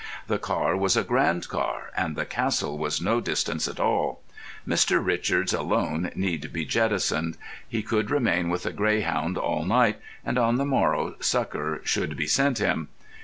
The car was a grand car, and the Castle was no distance at all. Mr. Richards alone need be jettisoned. He could remain with The Greyhound all night, and on the morrow succour should be sent him.